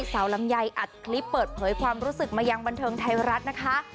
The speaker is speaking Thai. ลำไยอัดคลิปเปิดเผยความรู้สึกมายังบันเทิงไทยรัฐนะคะ